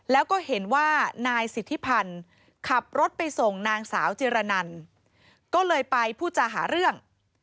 แล้วก็เห็นว่านายสิทธิพันธ์ขับรถไปส่งนางสาวจิรนันก็เลยไปพูดจาหาเรื่อง